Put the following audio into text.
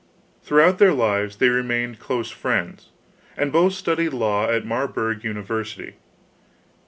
Throughout their lives they remained close friends, and both studied law at Marburg University.